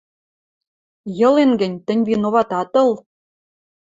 Йылен гӹнь, тӹнь виноват ат ыл!..